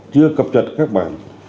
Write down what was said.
chưa cập trật các bản